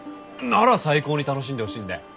なら最高に楽しんでほしいんで。